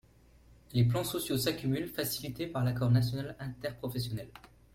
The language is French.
Les plans sociaux s’accumulent, facilités par l’accord national interprofessionnel.